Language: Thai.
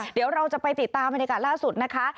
เดี๋ยวเราจะไปติดตามเหมือนกันล่าสุดนะคะ